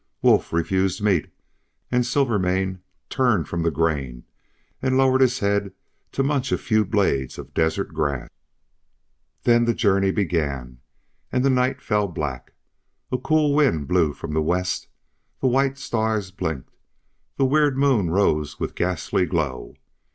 Wolf refused meat, and Silvermane turned from the grain, and lowered his head to munch a few blades of desert grass. Then the journey began, and the night fell black. A cool wind blew from the west, the white stars blinked, the weird moon rose with its ghastly glow.